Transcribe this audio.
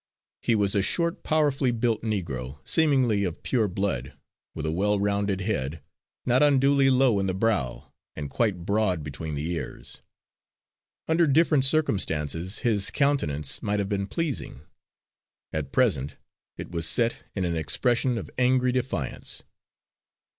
He was a short, powerfully built negro, seemingly of pure blood, with a well rounded head, not unduly low in the brow and quite broad between the ears. Under different circumstances his countenance might have been pleasing; at present it was set in an expression of angry defiance.